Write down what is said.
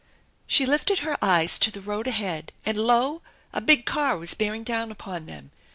She lifted her eyes to the road ahead and lo, a big car was bearing down upon them